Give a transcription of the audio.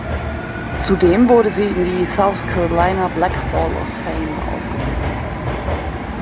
Zudem wurde sie in die "South Carolina Black Hall of Fame" aufgenommen.